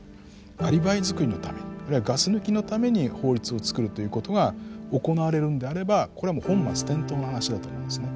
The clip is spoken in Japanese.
アリバイ作りのためにあるいはガス抜きのために法律を作るということが行われるんであればこれもう本末転倒な話だと思うんですね。